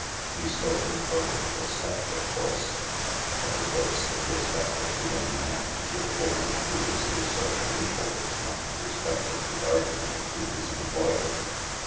He spoke with perfect respect, of course, but it was the respect of the young man to the woman who is his social equal, not the respect of the gardener to his employer.